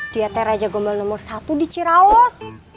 dia raja gombel nomor satu di ciraos